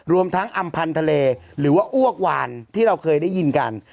รวมทั้งอำพันธเลหรือว่าอ้วกวานที่เราเคยได้ยินกัน